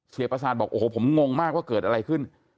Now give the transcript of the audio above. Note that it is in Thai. ประสานบอกโอ้โหผมงงมากว่าเกิดอะไรขึ้น